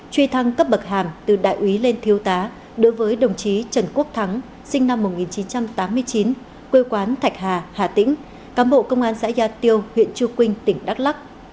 truy thăng cấp bậc hàm từ đại úy lên thiếu tá đối với đồng chí trần quốc thắng sinh năm một nghìn chín trăm tám mươi chín quê quán thạch hà hà tĩnh cán bộ công an xã gia tiêu huyện trư quynh tỉnh đắk lắc